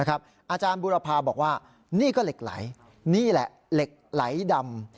อาจารย์บุรพาบอกว่านี่ก็เหล็กไหลนี่แหละเหล็กไหลดำ